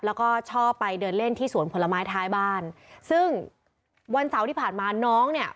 แล้วก็ชอบไปเดินเล่นที่สวนผลไม้ท้ายบ้านซึ่งวันเสาร์ที่ผ่านมาน้องเนี่ย